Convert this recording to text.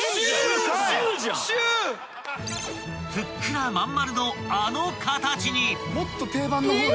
［ふっくら真ん丸のあの形に］